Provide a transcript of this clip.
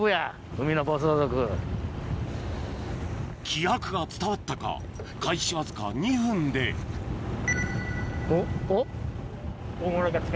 気迫が伝わったか開始わずか２分でおっおっ？